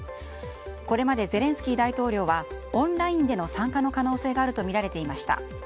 これまでゼレンスキー大統領はオンラインでの参加の可能性があるとみられていました。